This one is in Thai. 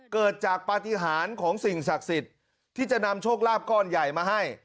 เกิดจากปฏิหารของสิ่งศักดิ์สิทธิ์ที่จะนำโชคลาภก้อนใหญ่มาให้